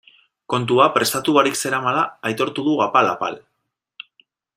Kontua prestatu barik zeramala aitortu du apal-apal.